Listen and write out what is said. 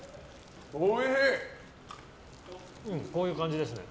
こういう感じですね。